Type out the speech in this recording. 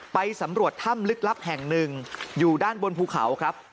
ไปสำรวจถ้ำลึกลับแห่งหนึ่งอยู่ด้านบนภูเขาครับ